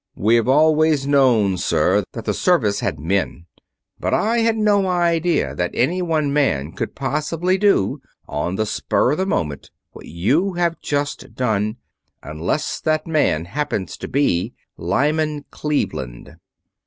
"We have always known, sir, that the Service had men; but I had no idea that any one man could possibly do, on the spur of the moment, what you have just done unless that man happened to be Lyman Cleveland."